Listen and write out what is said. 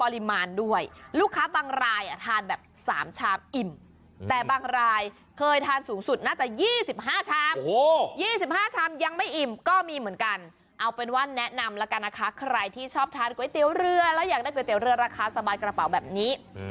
แล้วอยากได้ก๋วยเตี๋ยวเรือราคาสะบายกระเป๋าแบบนี้